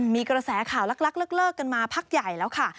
มีกระแสข่าวลักเลิกกันมาพักใหญ่แล้วค่ะ